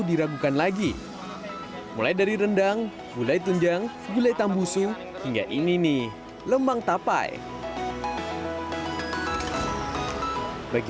diragukan lagi mulai dari rendang gulai tunjang gulai tambusu hingga ini nih lemang tapai bagi